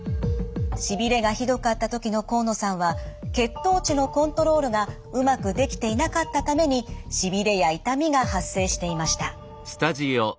しびれがひどかった時の河野さんは血糖値のコントロールがうまくできていなかったためにしびれや痛みが発生していました。